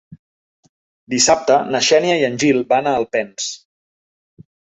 Dissabte na Xènia i en Gil van a Alpens.